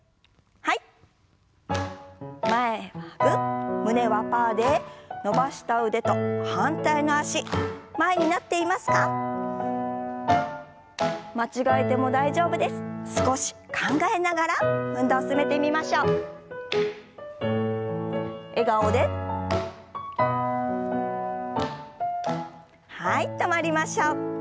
はい止まりましょう。